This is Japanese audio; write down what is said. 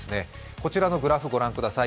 こちらのグラフご覧ください。